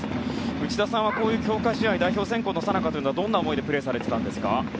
内田さんはこういう強化試合代表選考のさなかはどんな思いでプレーされていたんですか？